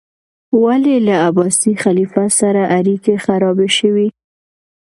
ولې له عباسي خلیفه سره اړیکې خرابې شوې؟